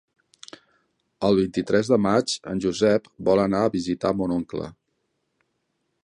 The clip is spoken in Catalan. El vint-i-tres de maig en Josep vol anar a visitar mon oncle.